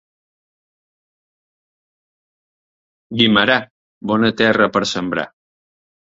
Guimerà, bona terra per a sembrar.